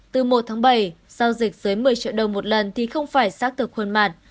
từ một tháng bảy giao dịch dưới một mươi triệu đồng một lần thì không phải xác thực khuôn mặt